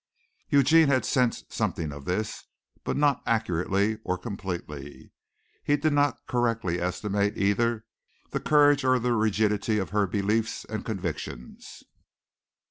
Eugene had sensed something of this, but not accurately or completely. He did not correctly estimate either the courage or the rigidity of her beliefs and convictions.